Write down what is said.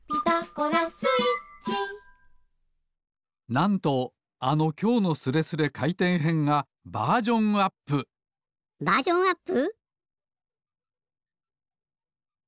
なんとあの「きょうのスレスレかいてんへん」がバージョンアップバージョンアップ！？